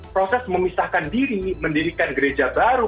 proses memisahkan diri mendirikan gereja baru